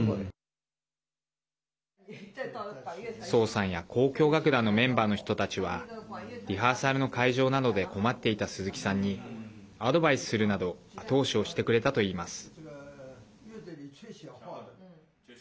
曹さんや交響楽団のメンバーの人たちはリハーサルの会場などで困っていた鈴木さんにアドバイスするなど後押しをしてくれたといいます。